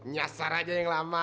nyasar aja yang lama